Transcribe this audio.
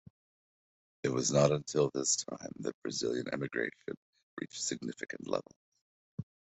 It was not until this time that Brazilian emigration reached significant levels.